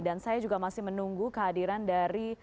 dan saya juga masih menunggu kehadiran dari